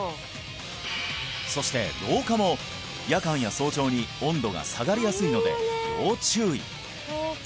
そして廊下も夜間や早朝に温度が下がりやすいので要注意！